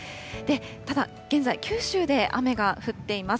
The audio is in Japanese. ただ、現在、九州で雨が降っています。